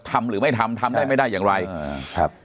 ทำหรือไม่ทำทำได้ไม่ได้อย่างไรอ่าครับ